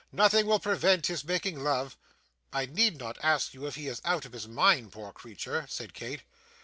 Nothing will prevent his making love.' 'I need not ask you if he is out of his mind, poor creature,' said Kate.